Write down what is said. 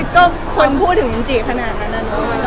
ใช่ก็ควรพูดถึงจริงขนาดนั้น